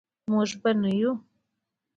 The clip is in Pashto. موږ به نه یو.